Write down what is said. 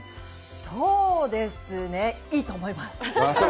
そうですね、いいと思います。